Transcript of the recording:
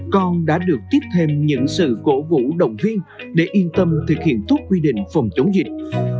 con đã được tiếp thêm những sự cổ vũ động viên để yên tâm thực hiện tốt quy định phòng chống dịch